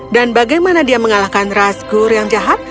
dan bagaimana dia mengalahkan raskur yang jahat